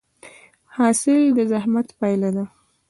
حاصل د زحمت پایله ده؟